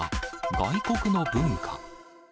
外国の文化。